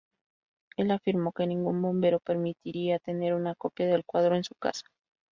Él afirmó que ningún bombero permitiría tener una copia del cuadro en su casa.